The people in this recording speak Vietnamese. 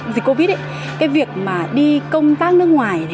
dịch covid việc đi công tác nước ngoài